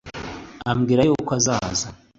ambwira yuko azaza